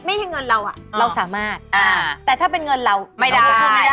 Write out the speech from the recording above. ให้เงินเราอ่ะเราสามารถแต่ถ้าเป็นเงินเราไม่ได้